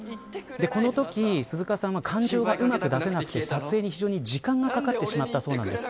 このとき鈴鹿さんは感情がうまく出せずに撮影に非常に時間がかかってしまったそうです。